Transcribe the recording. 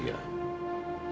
alia juga membantu kita kok